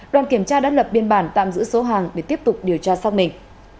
đoàn kiểm tra đã lập biên bản tạm giữ số hàng để tiếp tục điều tra xác minh